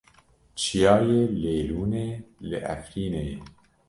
Çiyayê Lêlûnê li Efrînê ye.